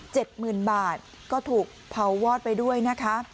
หมื่นบาทก็ถูกเผาวอดไปด้วยนะคะ